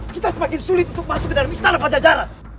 kita semakin sulit untuk masuk ke dalam istana pajajaran